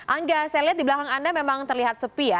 angga saya lihat di belakang anda memang terlihat sepi ya